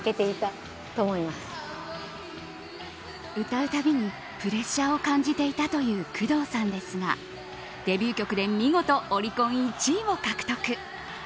歌う度に、プレッシャーを感じていたという工藤さんですがデビュー曲で見事、オリコン１位を獲得。